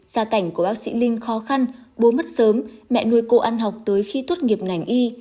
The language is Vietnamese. gia cảnh của bác sĩ linh khó khăn bố mất sớm mẹ nuôi cô ăn học tới khi tốt nghiệp ngành y